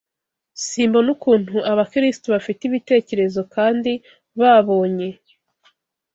Simbona ukuntu Abakristo bafite ibitekerezo kandi babonye